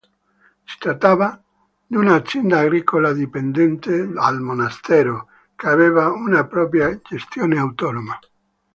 Si trattava di un'azienda agricola, dipendente dal monastero, che aveva una propria gestione autonoma.